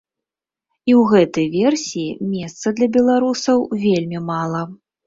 І ў гэтай версіі месца для беларусаў вельмі мала.